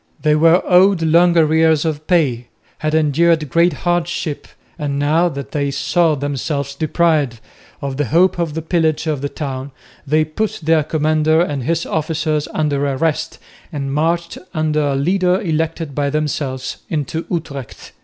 They were owed long arrears of pay, had endured great hardships, and now that they saw themselves deprived of the hope of the pillage of the town, they put their commander and his officers under arrest and marched under a leader elected by themselves into Utrecht.